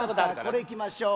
これいきましょう。